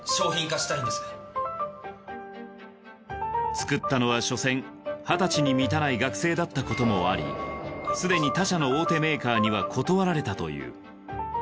作ったのは所詮二十歳に満たない学生だった事もあり既に他社の大手メーカーには断られたという